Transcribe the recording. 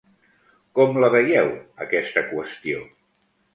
Com la veieu, aquesta qüestió?